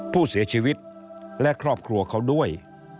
ผู้เสียชีวิตและครอบครัวเขาด้วย